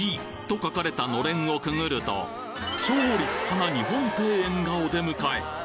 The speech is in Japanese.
鰻と書かれたのれんをくぐると超立派な日本庭園がお出迎え